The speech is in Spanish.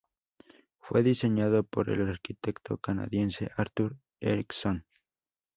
Fue diseñado por el arquitecto canadiense Arthur Erickson.